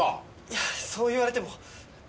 いやあそう言われても。